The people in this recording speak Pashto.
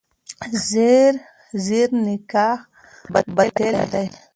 زیر زور نکاح باطله ده.